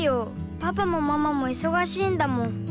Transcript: パパもママもいそがしいんだもん。